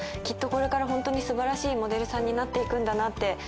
きっとこれからホントに素晴らしいモデルさんになっていくんだなって